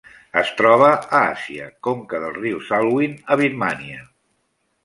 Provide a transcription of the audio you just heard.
Es troba a Àsia: conca del riu Salween a Birmània.